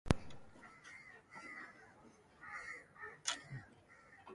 Katika mahojiano ya Jumapili, Fadzayi Mahere, msemaji wa Citizens’ Coalition for Change